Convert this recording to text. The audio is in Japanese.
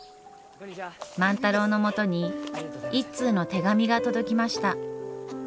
万太郎のもとに一通の手紙が届きました。